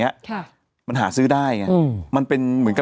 มีสารตั้งต้นเนี่ยคือยาเคเนี่ยใช่ไหมคะ